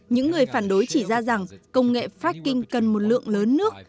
những người phản đối chỉ ra rằng công nghệ fracking cần một lượng lớn nước